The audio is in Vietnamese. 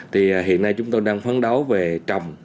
thì hiện nay chúng tôi đang phán đấu về trồng